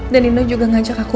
dan nino juga ngajak aku